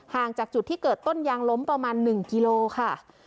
จากจุดที่เกิดต้นยางล้มประมาณ๑กิโลค่ะ